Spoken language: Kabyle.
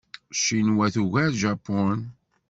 Ccinwa tugar Japun.